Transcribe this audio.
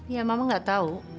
ya mama gak tau